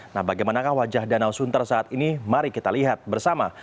nah bagaimanakah wajah danau sunter saat ini mari kita lihat bersama